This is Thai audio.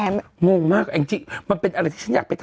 โง่มากมาเป็นอันที่